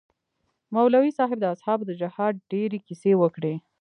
مولوي صاحب د اصحابو د جهاد ډېرې كيسې وكړې.